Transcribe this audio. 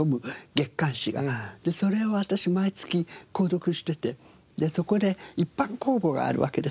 それを私毎月購読しててそこで一般公募があるわけです